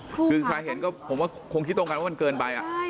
คือใครเห็นก็ผมว่าคงคิดตรงกันว่ามันเกินไป